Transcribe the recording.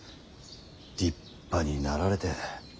立派になられて。